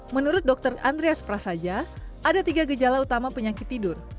menurut dokter andreas prasaja ada tiga gejala utama penyakit tidur